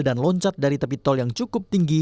dan loncat dari tepi tol yang cukup tinggi